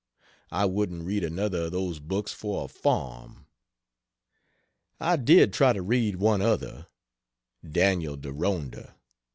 I wouldn't read another of those books for a farm. I did try to read one other Daniel Deronda.